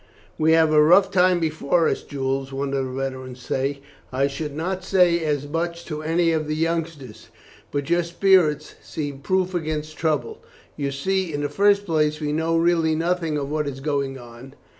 "We have a rough time before us, Jules," one of the veterans said. "I should not say as much to any of the youngsters, but your spirits seem proof against troubles. You see, in the first place, we know really nothing of what is going on.